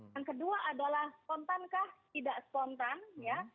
yang kedua adalah spontankah tidak spontan ya